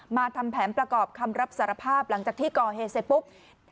ทำแผนประกอบคำรับสารภาพหลังจากที่ก่อเหตุเสร็จปุ๊บ